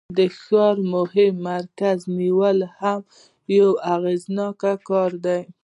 د ښار د مهم مرکز نیول هم یو اغیزناک کار دی.